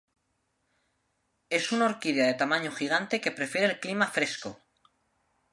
Es una orquídea de tamaño gigante que prefiere el clima fresco.